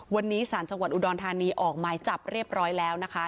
วันนี้สารจังหวัดอุดรธานีออกหมายจับเรียบร้อยแล้วนะคะ